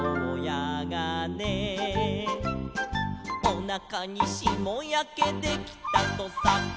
「おなかにしもやけできたとさ」